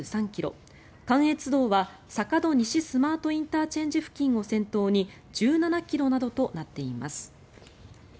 関越道は坂戸西スマートＩＣ付近を先頭に１７ｋｍなどとなっています。